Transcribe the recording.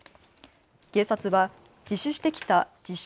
警察は自首してきた自称